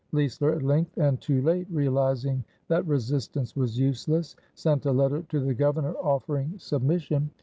Leisler, at length and too late realizing that resistance was useless, sent a letter to the Governor offering submission.